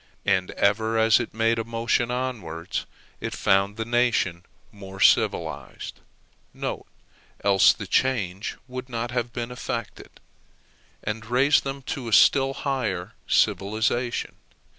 And ever as it made a motion onwards, it found the nation more civilized, (else the change would not have been effected,) and raised them to a still higher civilization.